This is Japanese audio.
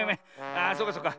ああそうかそうか。